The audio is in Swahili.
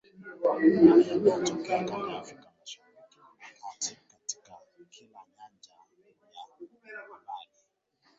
na yanayotokea kanda ya Afrika Mashariki na Kati katika kila nyanja ya habari